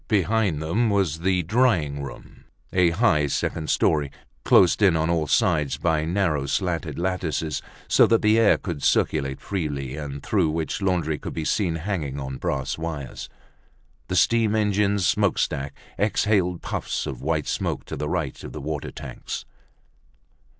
Behind them was the drying room, a high second story, closed in on all sides by narrow slatted lattices so that the air could circulate freely, and through which laundry could be seen hanging on brass wires. The steam engine's smokestack exhaled puffs of white smoke to the right of the water tanks.